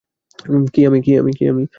কী, আমি?